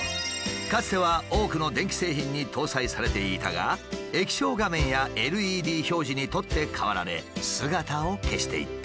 かつては多くの電気製品に搭載されていたが液晶画面やＬＥＤ表示に取って代わられ姿を消していった。